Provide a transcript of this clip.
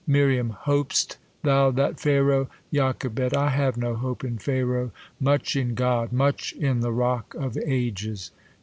Mir, Hop'st thjDU that Pharaoh — Joch. I have no hope in Pharaoh; much in God, Much in the Rock of Ages.